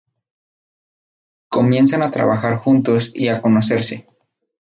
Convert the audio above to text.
Comienzan a trabajar juntos y a conocerse.